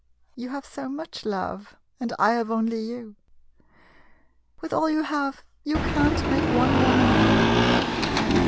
You have so much, love, and I have only you ! M With all you have, you can't make one woman happy?